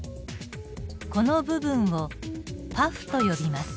この部分をパフと呼びます。